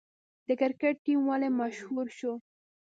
د کرکټ ټیم ولې مشهور شو؟